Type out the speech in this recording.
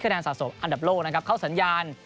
แนนสะสมอันดับโลกนะครับเข้าสัญญาณ